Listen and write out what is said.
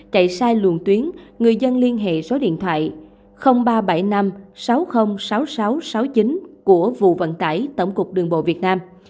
chạy sai luồn tuyến người dân liên hệ số điện thoại ba trăm bảy mươi năm sáu mươi sáu mươi sáu sáu mươi chín của vụ vận tải tổng cục đường bộ việt nam